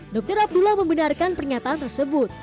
dr abdullah membenarkan pernyataan tersebut